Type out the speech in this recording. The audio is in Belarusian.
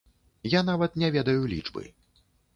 Я нават не ведаю лічбы.